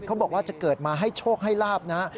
เขาบอกว่าจะเกิดมาให้โชคให้ลาบนะฮะ